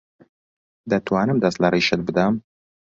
دەتوانم دەست لە ڕیشت بدەم؟